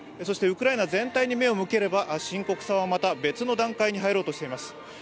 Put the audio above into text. ウクライナ全体に目を向ければ深刻さはまた別の段階に入っています。